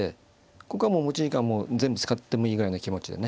ここはもう持ち時間全部使ってもいいぐらいの気持ちでね